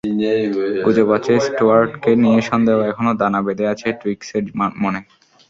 গুজব আছে, স্টুয়ার্টকে নিয়ে সন্দেহ এখনো দানা বেঁধে আছে টুইগসের মনে।